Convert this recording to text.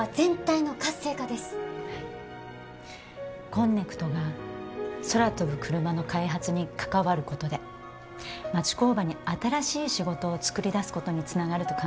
こんねくとが空飛ぶクルマの開発に関わることで町工場に新しい仕事を作り出すことにつながると考えてます。